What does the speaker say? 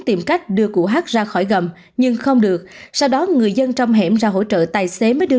tìm cách đưa cụ hát ra khỏi gầm nhưng không được sau đó người dân trong hẻm ra hỗ trợ tài xế mới đưa